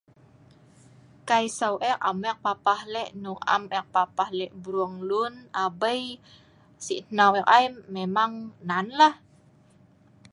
Kai seu eek am eek le papah le hnung am ek papah lek brung lun abei sih hnau eek ai memang nanlah